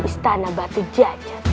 istana batu jawa